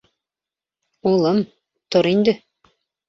— Улым, тор инде!